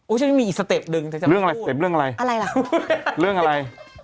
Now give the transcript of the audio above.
อุ๊ยฉันไม่มีอีกสเต็ปหนึ่งจะพูดอะไรล่ะเรื่องอะไร